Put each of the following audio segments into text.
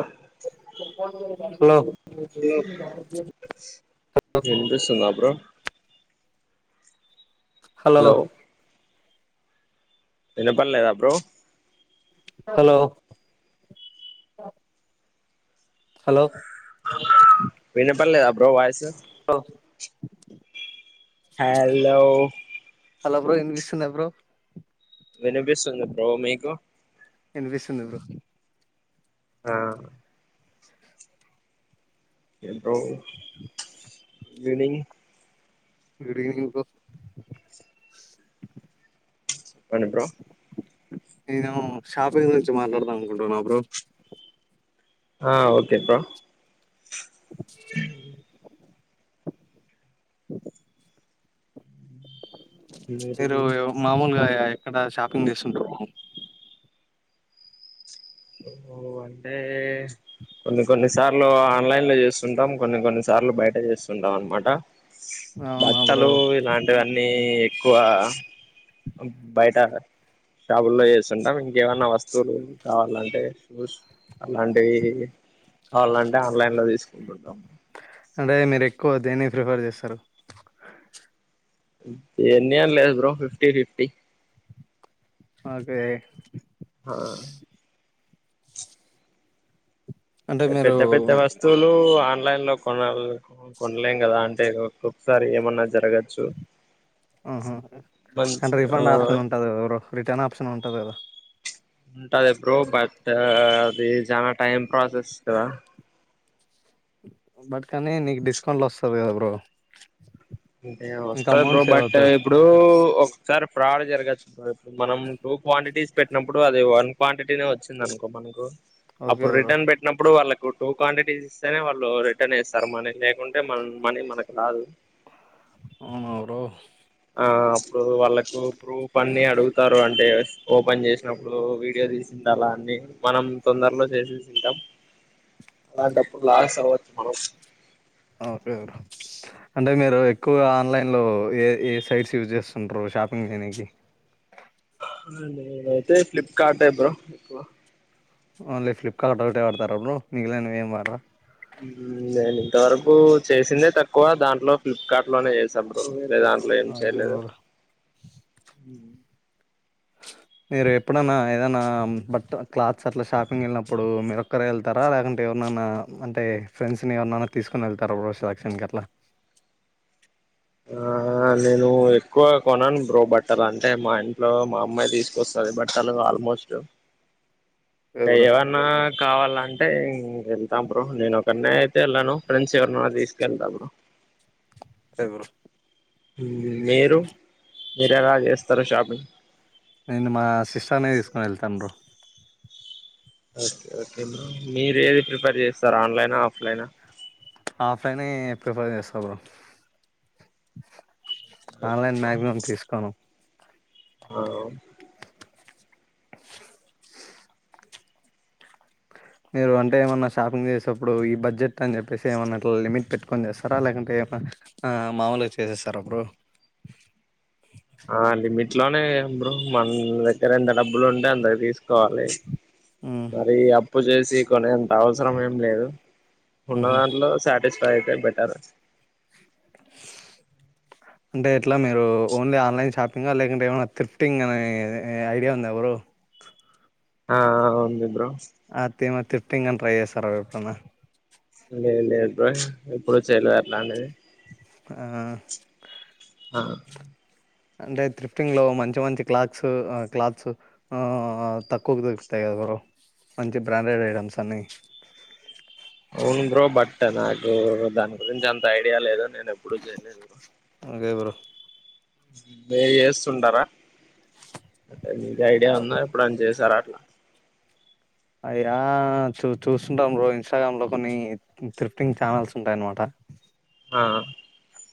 ఆ hello hello వినిపిస్తుందా bro hello వినపల్లేదా బ్రో హలో స హలో వినపల్లేదా bro voice hello hello bro వినిపిస్తుందా బ్రో వినిపిస్తుంది బ్రో మీకు వినిపిస్తుంది బ్రో ఆ బ్రో ఈవినింగ్ గుడ్ ఈవినింగ్ చెప్పండి బ్రో నేను షాపింగ్ గురించి మాట్లాడదాం అనుకుంటున్నా బ్రో ఆ ఓకే బ్రో మీరు మామూలుగా ఎక్కడ షాపింగ్ చేస్తుంటారు బ్రో ఓ అంటే కొన్ని కొన్ని సార్లు ఆన్లైన్ లో చేస్తుంటాం కొన్ని కొన్ని సార్లు బయట చేస్తుంటాం అన్నమాట అవునా బ్రో బట్టలు ఇలాంటివన్నీ ఎక్కువ బయట షాపుల్లా ఇంక ఏమన్నా వస్తువులు కావాలంటే షూస్ అలాంటివి కావాలంటే ఆన్లైన్లో తీసుకుంటుంటాం అంటే మీరు ఎక్కువ దేనికి ప్రిఫర్ చేస్తారు ఎన్ని అని లేదు బ్రో ఫిఫ్టీ ఫిఫ్టీ ఓకే ఆ అంటే మీరు పెద్ద పెద్ద వస్తువులు అన్ ఆన్లైన్ లో కొన కొనలేం కదా అంటే ఒక్కొక్కసారి ఏమన్నా జరగచ్చు ఆహ అంటే మంచి ఆ రిఫండ్ ఆప్షన్ ఉంటది కదా రిటర్న్ ఆప్షన్ ఉంటది కదా ఉంటది బ్రో బట్ అది చానా టైం ప్రాసెస్ కదా బట్ కానీ నీకు డిస్కౌంట్లు వస్తంది కదా బ్రో అంటే ఇంకా వస్తంది బ్రో అమౌంట్ సేవ్ బట్ అవుతది ఇప్పుడు ఒ సారీ ఫ్రాడ్ జరగచ్చు ఇప్పుడు మనం టూ క్వాంటిటీస్ పెట్టినప్పుడు అది వన్ క్వాంటిటీనే వచ్చింది అనుకో మనకు ఓకే అప్పుడు బ్రో రిటర్న్ పెట్టినప్పుడు వాళ్ళ టూ క్వాంటిటీస్ ఇస్తేనే వాళ్ళు రిటర్న్ ఇస్తారు మనీ లేకుంటే మన మనీ మనకు రాదు ఆ బ్రో ఆ అప్పుడు వాళ్ళకు ప్రూఫ్ అన్ని అడుగుతారు అంటే ఓపెన్ చేసినప్పుడు వీడియో తీసింది అలా అన్ని మనం తొందరలో చేసేసి ఉంటాం అలాంటప్పుడు లాస్ అవ్వచ్చు మనం ఆ బ్రో అంటే మీరు ఎక్కువగా ఆన్లైన్ లో ఏ ఏ సైట్స్ యూజ్ చేస్తుంటారు షాపింగ్ చేయానికి అయితే ఫ్లిప్కార్ట్డే బ్రో ఎక్కువ ఓన్లీ ఫ్లిప్కార్ట్ ఒకటే వాడతారా బ్రో మిగిలినవి ఏం వాడరా నేను ఇంతవరకు చేసిందే తక్కువ దాంట్లో ఫ్లిప్కార్ట్ లోనే చేసాను బ్రో లేదాంట్లో ఏం ఓకే చేయలేదు బ్రో మీరు ఎప్పుడైనా ఏదన్న బట్ క్లాత్స్ అట్లా షాపింగ్ వెళ్ళినప్పుడు మీరు ఒక్కరే వెళ్తారా లేకంటే ఎవ ఏవన్నానా అంటే ఫ్రెండ్స్ ని ఎవరన్నా తీసుకొని వెళ్తారా సెలక్షన్ అట్లా ఆ ఆ నేను ఎక్కువ కొనను బ్రో బట్టలు అంటే మా ఇంట్లో మా అమ్మాయి తీసుకొస్తుంది బట్టలు అ మోస్టివ్ ఇంక లేదు బ్రో ఏవన్నా కావాల అంటే ఇంక వెళ్తాం బ్రో నేను ఒకడినే అయితే వెళ్ళను ఫ్రెండ్స్ ఎవరినన్నా తీసుకెళ్తా బ్రో ఎవరు మీరు మీరు ఎలా చేస్తారు షాపింగ్ నేను మా సిస్టర్నే తీసుకొని వెళ్తాను బ్రో ఓకే ఓకే బ్రో మీరు ఏది ప్రిఫర్ చేస్తారు ఆన్లైనా ఆఫ్లైనా ఆఫ్లైన్ ఏ ప్రిఫర్ చేస్తా బ్రో ఓకే ఆన్లైన్ మ్యాక్సిమం తీసుకోను ఆ మీరు అంటే ఏమన్నా షాపింగ్ చేసేప్పుడు ఈ బడ్జెట్ అని చెప్పేసి ఏమన్నా అట్ల లిమిట్ పెట్టుకొని చేస్తారా లేకుంటే అ ఆ మామూలుగా చేసేస్తారా బ్రో ఇట్లనేం బ్రో మన దగ్గర ఎంత డబ్బులు ఉంటే అంతకి తీసుకోవాలి మ్మ్ మరి అప్పు చేసి కొనేం అవసరం ఏం లేదు ఉన్న మ్మ్ దాంట్లో సాటిస్ఫై అయితే బెటర్ అంటే ఎట్లా మీరు ఓన్లీ ఆన్లైన్ షాపింగ్ లేకుంటే ఏమైనా త్రిఫ్టింగ్ అనే ఐడియా ఉందా బ్రో ఆ ఆ ఉంది బ్రో ఆ తిమ త్రిఫ్టింగ్ అని ట్రై చేస్తార ఎప్పుడన్నా లేదు లేదు బ్రో ఎప్పుడు చెయ్యలేదు అట్లాంటిది ఆ ఆ ఆ అంటే త్రిఫ్టింగ్ లో మంచి మంచి క్లాక్స్ ఆ క్లాత్స్ ఆ ఆ ఆ ఆ తక్కువకు దొరుకుతాయి క దా బ్రో మంచి బ్రాండెడ్ ఐటెమ్స్ అన్ని అవును బ్రో బట్ నాకు దాని గురించి అంత ఐడియా లేదు నేను ఎప్పుడూ చేయలేదు ఓకే బ్రో మీరు చేస్తుంటారా అంటే మీకు ఐడియా ఉందా ఎప్పుడన్నా చేసారా ఇలా అయ్యా చూ చూస్తుంట ఇన్స్టాగ్రామ్ లో కొన్ని త్రిఫ్టింగ్ ఛానల్స్ ఉంటాయన్నమాట ఆ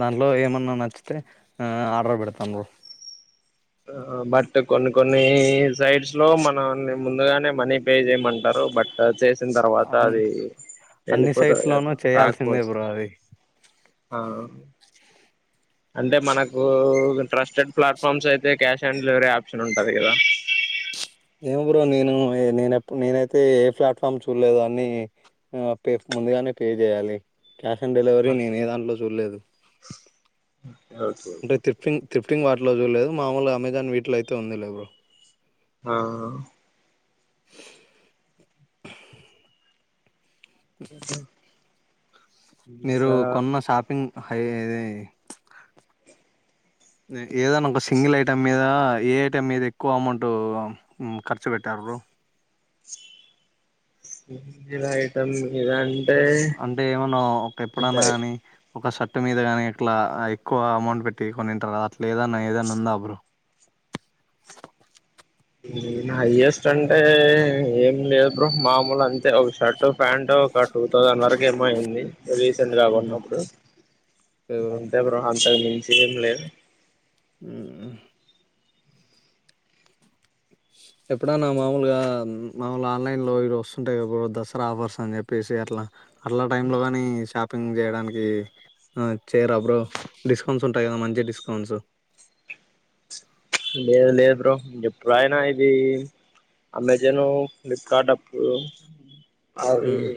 దాంట్లో ఏమన్నా నచ్చితే ఆ ఆర్డర్ పెడతాన్ బ్రో బట్ కొన్ని కొన్ని సైట్స్ లో మనల్ని ముందుగానే మనీ పే చేయమంటారు ఓ బట్ చేస్ వచ్చిన తర్వాత అన్ అది అన్ని వెళ్ళిపోతది సైట్స్ లోనూ కాదా చేయాల్సిందే రాకపోతే బ్రో అది ఆ అంటే మనకు ట్రస్టెడ్ ప్లాట్ఫామ్స్ అయితే క్యాష్ ఆన్ డెలివరీ ఆప్షన్ ఉంటది కదా ఏమో బ్రో నేను నేప్పు నేనైతే ఏ ప్లాట్ఫామ్ చూడలేదు అన్ని ఆ పె ముందుగానే పే చేయాలి క్యాష్ ఆన్ డెలివరీ నేనే ఏ దాంట్లో చూడలేదు ఓకే అంటే త్రిఫ్టింగ్ త్రిఫ్టింగ్ వాటిలో చూడలేదు మామూలుగా అమెజాన్ వీటిలో అయితే ఉంది లే బ్రో ఆ గెసౌ మీరు కొన్న షాపింగ్ ఏదనా ఒక సింగిల్ ఐటెం మీద, ఏ ఐటెం మీద ఎక్కువ అమౌంట్ మ్మ్ ఖర్చు పెట్టారు? బ్రో ఇంగిద ఐటం ఇదన్ అంటే ఏమన్నా ఒక ఎప్పుడన్నా గాని ఒక సట్టు మీద గాని ఇట్లా ఎక్కువ అమౌంట్ పెట్టి కొనింటారు అట్ల ఏదన్న ఏదన్నా ఉందా బ్రో నా హైయెస్ట్ అంటే ఏం లేదు బ్రో మాములు ఒక షర్ట్ ప్యాంట్ ఒక టూ థౌసండ్ వరకేమో అయింది రీసెంట్ గా ఆహా గొన్నప్పుడు ఎవరు అంతే బ్రో అంతకు మించి ఏం లేదు ఊ ఎప్పుడనా మామూలుగా మామూలు ఆన్లైన్ లో ఇవస్తుంటాయి గా బ్రో దసరా ఆఫర్స్ అని చెప్పేసి అట్లా అట్లా టైమ్ లో గాని షాపింగ్ చేయడానికి ఆ చేయరా బ్రో డిస్కౌంట్స్ ఉంటాయి కదా మంచి డిస్కౌంట్స్ లేదు లే బ్రో ఎప్పుడయినా ఇది అమెజాను ఫ్లిప్కార్ట్ అప్పుడు అవి మ్మ్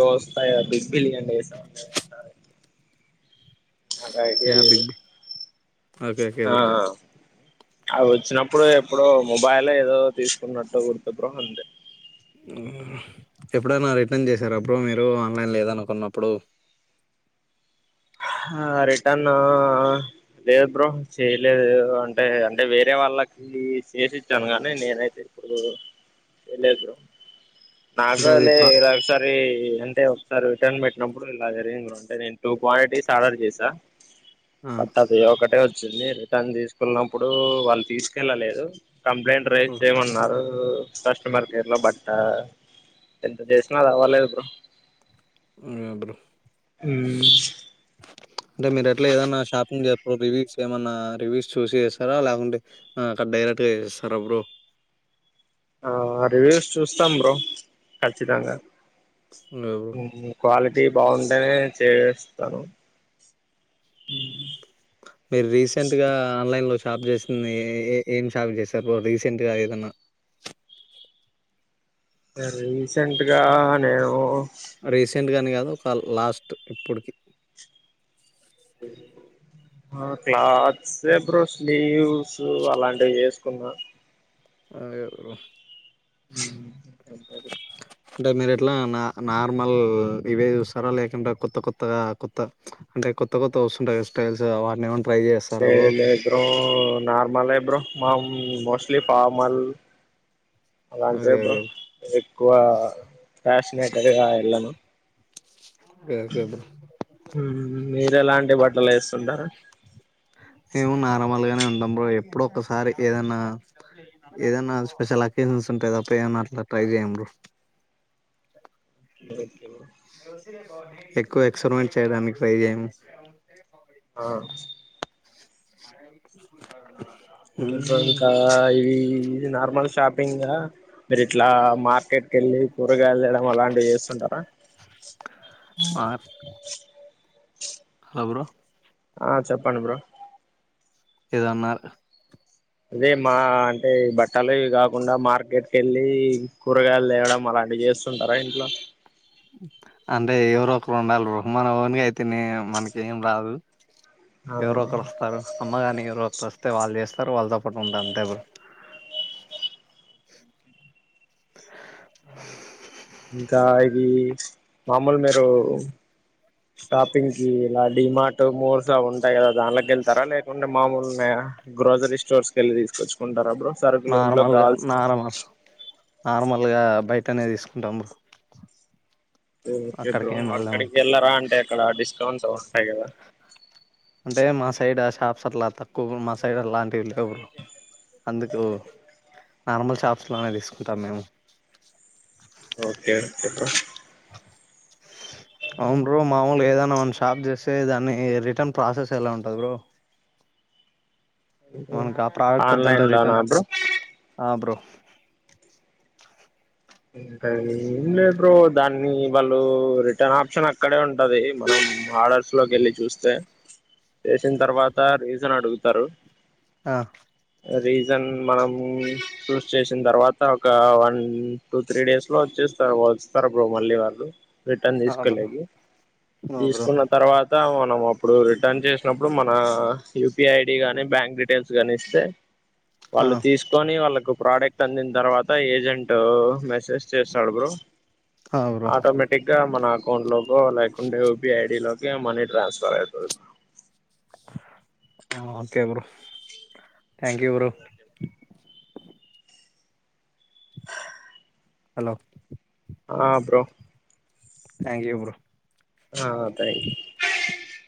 ఏ వస్తాయా బిగ్ బిలియన్ డేసా అదైడియా యా లేదు big B okay okay bro అవొచ్చినప్పుడు ఎప్పుడో మొబైల్ ఏదో తీసుకున్నట్టు గుర్తు బ్రో అంతే ఎప్పుడైనా రిటర్న్ చేశార బ్రో మీరు ఆన్లైన్ లో ఏదన్న కొన్నప్పుడు ఆ రిటర్న్ లేదు బ్రో చేయలేదు అంటే అంటే వేరే వాళ్ళకి ఇది చేసిచ్చాను గానీ నేనైతే ఇప్పుడు చేయలేదు బ్రో అంటే అది నాగోలి ప్ర ఇర ఒకసారి అంటే ఒకసారి రిటర్న్ పెట్టినప్పుడు ఇలా జరిగింది బ్రో అంటే నేను టూ క్వాంటిటీస్ ఆర్డర్ చేసా ఆ పట్టది వకటే చ్చింది రిటర్న్ తీసుకునప్పుడు వాళ్ళు తీసుకెళ్ళలేదు కంప్లైంట్ ఓ రైజ్ చేయమన్నారు కస్టమర్ కేర్ లో బట్ట ఎంత చేసినా అదవలేదు బ్రో అబ్రు అంటే మీరు ఎట్లా ఏదన్నా షాపింగ్ చే రివ్యూస్ ఏమన్నా రివ్యూస్ చూసి చేస్తారా లాకుంటే డైరెక్ట్ గా చేస్తార బ్రో ఆ రివ్యూస్ చూస్తాం బ్రో ఖచ్చితంగా బ్రో క్వాలి టి బాగుంటేనే చేస్తాను మీరు రీసెంట్ గా ఆన్లైన్ లో షాప్ చేసింది ఏ ఏం షాప్ చేసారు రీసెంట్గా ఏదన్నా రీసెంట్గా నేమో రీసెంట్ గాని గాదు ఒక లాస్ట్ ఇప్పటికి [inaudible] ఆ క్లాత్స్ ఎ బ్రో స్లీవ్స్ అలాంటివి చేసుకున్నా ఆయబ్రు మ్మ్ [inaudible] అంటే మీరు ఎట్లా నా నార్మల్ ఇవే చూస్తారా లేకుంటే కొత్త కొత్తగా కొత్త అంటే కొత్త కొత్త వస్తుంటా హయిర్ స్టైస్ వాడిని చైలే బ్రో నార్మలే బ్రో మా మోస్ట్లీ ఫామల్ అలాంటే ఓకే బ్రో ఓకే ఎక్కువ ఫ్యాషనేటర్ గా వెళ్ళను ఓకే ఓకే బ్రో మీరెలాంటి బట్టలు వేస్తుంటరు మేము నార్మల్ గానే ఉండం బ్రో ఎప్పుడో ఒక్కసారి ఏదన్నా ఏదన్న స్పెషల్ అకేషన్స్ ఉంటే తప్ప ఏమన్న అట్ల ట్రై జేయ్యం బ్రో ఎక్కువ ఎక్స్పెరిమెంట్ చేయడానికి ట్రై జేయము ఆ మ [inaudible] ఇంకేంటి బ్రో ఇంకా ఇవి ఈ నార్మల్ షాపింగ మీరిట్ల మార్కెట్ కెళ్ళి కూరగాయలు తెడం అలాంటివి చేస్తు తుంటర మార్ హ బ్రో ఆ చెప్పండి బ్రో ఏదో అన్నారు అదే మా అంటే బట్టలు ఇవి గాకుండా మార్కెట్ కెల్లీ కూరగాయలు తేవడం అలా అట్ల చేస్తుంటరా ఇంట్లో అంటే ఎవరు ఒకరు ఉండలి బ్రో మన ఓన్ గ అయితే నీ మనకేం రాదు ఎవరు ఆ ఒకరు వస్తారు అమ్మగాని ఎవరో ఒకరు వస్తే వాళ్ళు జేస్తారు వాళ్ళద ఇప్పుడు అంత అంతే బ్రో ఇంకా ఇది మామూల్ మీరు షాపింగ్ కి ఇలా డిమార్ట్ మోర్స్ ఉంటాయి గదా దాంట్ల కెళ్తారా లేకుంటే మామూల్ నే గ్రోసరీ స్టోర్స్ కెళ్ళి తీసుకొచ్చుకుంటారా బ్రో సరుకులు ఇంట్లో నార్మల్గా గావాల్సినీ నార్మల్ నార్మల్ గా బయటనే తీసుకుంటాం బ్రో ఓకే అక్కడికి బ్రో ఏం వెళ్ళాము అక్కడికి కెళ్లరా అంటే అక్కడ డిస్కౌంట్స్ ఓస్ అంటే మా సైడ్ ఆ షాప్స్ అట్లా తక్కువు మా సైడ్ అలాంటి లెవు బ్రో అందుకు నార్మల్ షాప్స్ లోనే తీసుకుంటాం మేము ఇంకేంటి బ్రో అవును బ్రో మామూలుగ ఏదైనా మన షాప్ జేసే దాన్ని రిటన్ ప్రాసెస్ ఎలా ఉంటంది బ్రో మనకా ప్రోడక్ట్ వద్దంటే ఆన్లైన్ లోనా రిటన్ బ్రో ఆ బ్రో ఇంక అది ఏమ్ లేదు బ్రో దాన్ని వాళ్ళు రిటర్న్ ఆప్షన్ అక్కడే ఉంటది మనం ఆర్డర్స్ లోకి ఎళ్ళి చూస్తే చేసిన తర్వాత రీజన్ అడుగుతారు ఆ రీజన్ మనము చూస్ చేసిన తర్వాత ఒక వన్ టూ త్రీ డేస్ లో వచ్చేస్తారు వస్తారు బ్రో మళ్ళీ వాళ్ళు రిటన్ ఆ బ్రో తీసుకెళ్ళేది ఆ బ్రో తీసుకున్న తర్వాత వ నువ్వు అప్పుడు రిటర్న్ చేసినప్పుడు మన యూపిఐడి గాని బ్యాంక్ డీటెయిల్స్ గాని ఇస్తే ఆ వాళ్ళు తీసుకొని వాళ్ళకు ప్రోడక్ట్ అందిన తర్వాత ఏజెంటూ మెసేజ్ చేస్తాడు బ్రో ఆ బ్రో ఆటోమేటిక్ గా మనక్ అకౌంట్ లోకో లేకుంటే యూపీఐడి లోకే మనీ ట్రాన్స్ఫర్ అయితది బ్రో ఆ okay bro thank you bro hello ఆ బ్రో థాంక్యూ యూ బ్రో ఆ థాంక్యూ యూ